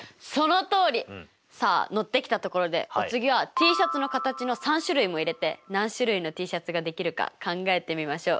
さあ乗ってきたところでお次はＴシャツの形の３種類も入れて何種類のＴシャツができるか考えてみましょう。